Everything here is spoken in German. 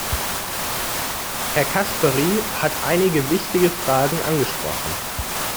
Herr Caspary hat einige wichtige Fragen angesprochen.